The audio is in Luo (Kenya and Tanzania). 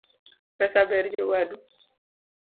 Pesa ber jowadu.